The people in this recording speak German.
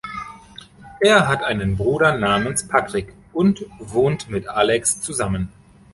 Er hat einen Bruder namens Patrick und wohnt mit Alex zusammen.